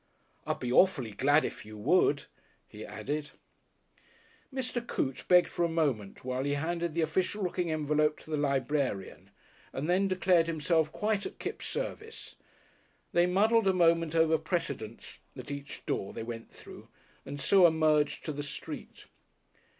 "I'd be awfully glad if you would," he added. Mr. Coote begged for a moment while he handed the official looking envelope to the librarian and then declared himself quite at Kipps' service. They muddled a moment over precedence at each door they went through and so emerged to the street.